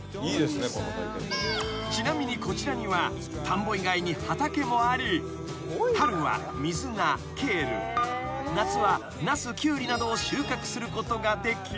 ［ちなみにこちらには田んぼ以外に畑もあり春はミズナケール］［夏はナスキュウリなどを］